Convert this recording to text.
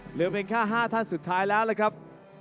เหลือเพียงแค่๕ท่านสุดท้ายแล้วนะครับ